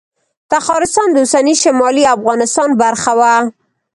تخارستان د اوسني شمالي افغانستان برخه وه